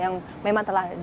yang memang telah di